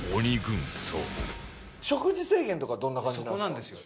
食事制限とかどんな感じなんですか？